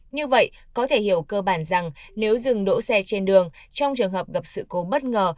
như vậy có thể hiểu cơ bản rằng nếu dừng đỗ xe trên đường trong trường hợp gặp sự cố bất ngờ